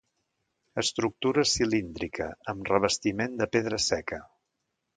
Estructura cilíndrica, amb revestiment de pedra seca.